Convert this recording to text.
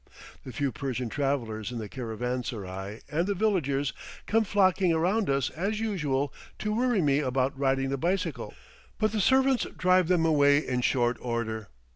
The few Persian travellers in the caravansarai and the villagers come flocking around as usual to worry me about riding the bicycle, but the servants drive them away in short order.